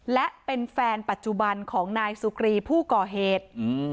และเป็นแฟนปัจจุบันของนายสุกรีผู้ก่อเหตุ